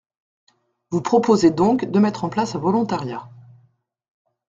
Vous proposez donc de mettre en place un volontariat.